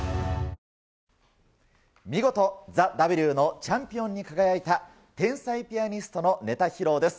見事、ＴＨＥＷのチャンピオンに輝いた天才ピアニストのネタ披露です。